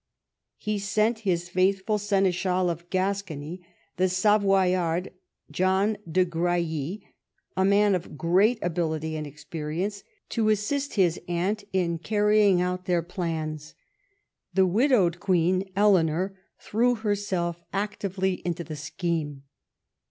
He sent his faithful seneschal of Gascony, the Savoyard John de Grailly, a man of great ability and experience, to assist his aunt in carrying out their plans. The widowed queen Eleanor threw herself actively into the scheme.